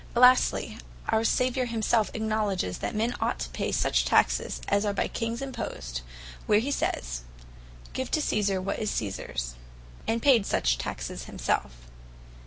Lastly, our Saviour himselfe acknowledges, that men ought to pay such taxes as are by Kings imposed, where he sayes, "Give to Caesar that which is Caesars;" and payed such taxes himselfe.